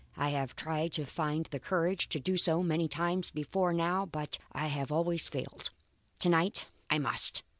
I have tried to find the courage to do so many times before now but have always failed. Tonight I must.